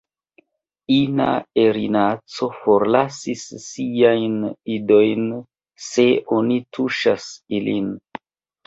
Ina erinaco forlasas siajn idojn se oni tuŝas ilin.